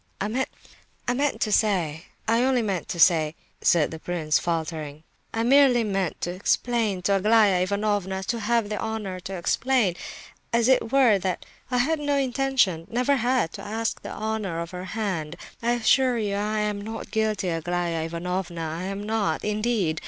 "I meant to say—I only meant to say," said the prince, faltering, "I merely meant to explain to Aglaya Ivanovna—to have the honour to explain, as it were—that I had no intention—never had—to ask the honour of her hand. I assure you I am not guilty, Aglaya Ivanovna, I am not, indeed.